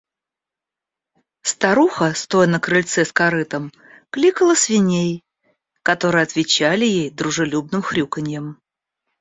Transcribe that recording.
Старуха, стоя на крыльце с корытом, кликала свиней, которые отвечали ей дружелюбным хрюканьем.